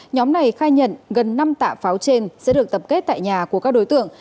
nhóm này khai nhận gần năm tạ pháo trên sẽ được tập kết tại nhà của các đối tượng